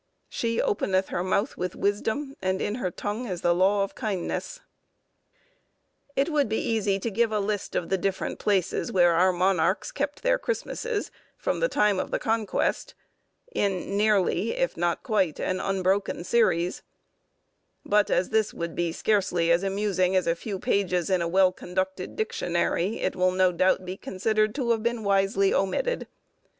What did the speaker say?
"She openeth her mouth with wisdom; and in her tongue is the law of kindness." It would be easy to give a list of the different places where our monarchs kept their Christmasses, from the time of the Conquest, in nearly, if not quite, an unbroken series; but as this would be scarcely as amusing as a few pages in a well conducted dictionary, it will no doubt be considered to have been wisely omitted.